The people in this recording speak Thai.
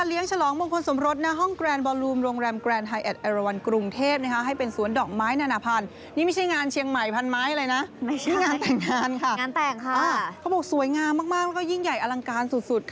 นี่งานแต่งงานค่ะเขาบอกสวยงามมากแล้วก็ยิ่งใหญ่อลังการสุด